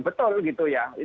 betul gitu ya